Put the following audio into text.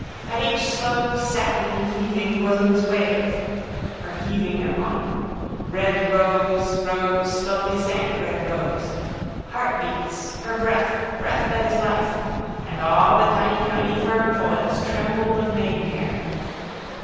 At each slow satiny heaving bosom's wave (her heaving embon) red rose rose slowly sank red rose. Heartbeats: her breath: breath that is life. And all the tiny tiny fernfoils trembled of maidenhair.